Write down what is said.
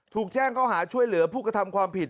ถูกแจ้งเขาหาช่วยเหลือผู้กระทำความผิด